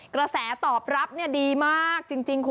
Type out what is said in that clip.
กระแสตอบรับดีมาก